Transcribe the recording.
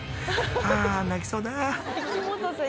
［あ泣きそうだ］